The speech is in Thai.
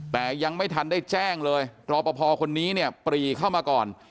แต่ยังไม่ทันได้แจ้งเลยรอปภคนนี้เนี่ยปรีเข้ามาก่อน